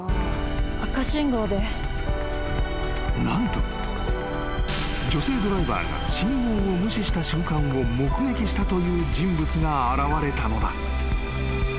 ［何と女性ドライバーが信号を無視した瞬間を目撃したという人物が現れたのだ］